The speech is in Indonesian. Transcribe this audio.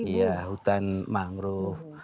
iya hutan mangrove